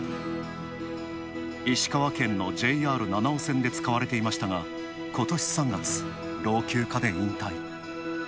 石川県のＪＲ七尾線で使われていましたが、今年３月、老朽化で引退。